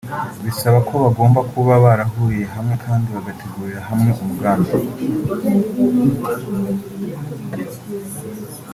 bisaba ko bagomba kuba barahuriye hamwe kandi bagategurira hamwe umugambi